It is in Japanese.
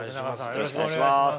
よろしくお願いします。